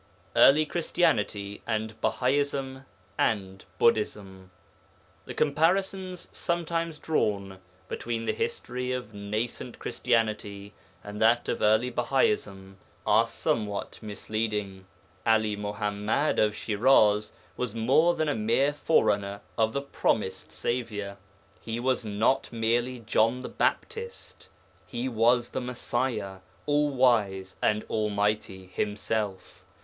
EARLY CHRISTIANITY AND BAHAISM AND BUDDHISM The comparisons sometimes drawn between the history of nascent Christianity and that of early Bahaism are somewhat misleading. 'Ali Muḥammad of Shiraz was more than a mere forerunner of the Promised Saviour; he was not merely John the Baptist he was the Messiah, All wise and Almighty, himself.